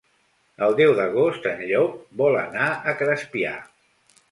El deu d'agost en Llop vol anar a Crespià.